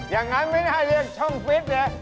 อย่างนั้นไม่น่าเรียกช่องฟิตเลย